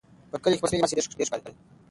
په کلي کې خلک په سپین لباس کې ډېر ښکاري.